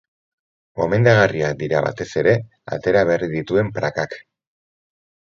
Gomendagarriak dira, batez ere, atera berri dituen prakak.